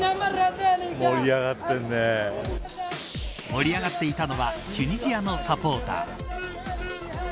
盛り上がっていたのはチュニジアのサポーター。